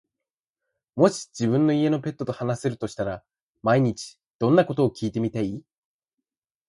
もし自分の家のペットと話せるとしたら、毎日どんなことを聞いてみたい？